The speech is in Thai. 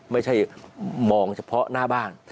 ไม่ใช่มองเฉพาะหน้าบ้าน